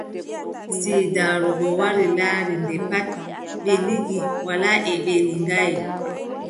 Siidaaru goo wari laari, nde pat ɓe liŋi walaa e ɓe liŋaay ;